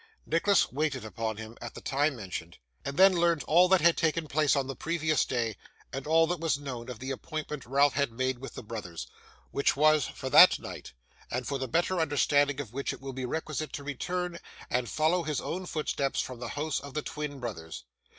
Nicholas waited upon him at the time mentioned, and then learnt all that had taken place on the previous day, and all that was known of the appointment Ralph had made with the brothers; which was for that night; and for the better understanding of which it will be requisite to return and follow his own footsteps from the house of the twin brothers.